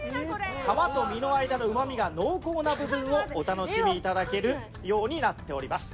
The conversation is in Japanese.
皮と身の間のうまみが濃厚な部分をお楽しみ頂けるようになっております。